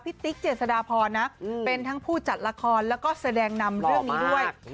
ติ๊กเจษฎาพรนะเป็นทั้งผู้จัดละครแล้วก็แสดงนำเรื่องนี้ด้วย